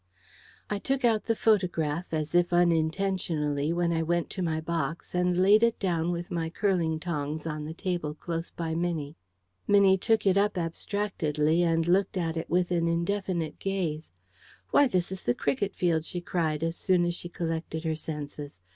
I took out the photograph, as if unintentionally, when I went to my box, and laid it down with my curling tongs on the table close by Minnie. Minnie took it up abstractedly and looked at it with an indefinite gaze. "Why, this is the cricket field!" she cried, as soon as she collected her senses.